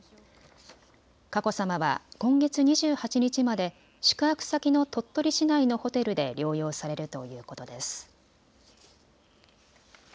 佳子さまは今月２８日まで宿泊先の鳥取市内のホテルで療養されるということです。